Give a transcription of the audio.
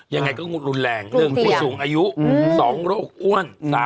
ยังไงก็รุนแรง๑ผู้สูงอายุ๒โรคอ้วน